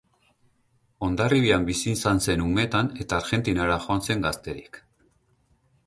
Hondarribian bizi izan zen umetan eta Argentinara joan zen gazterik.